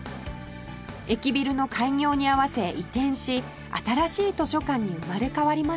駅ビルの開業に合わせ移転し新しい図書館に生まれ変わりました